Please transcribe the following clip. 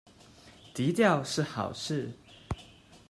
低調是好事